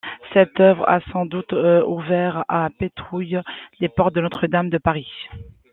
Cette œuvre a sans doute ouvert à Pétouille les portes de Notre-Dame de Paris.